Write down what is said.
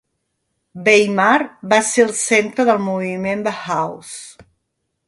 Weimar va ser el centre del moviment Bauhaus.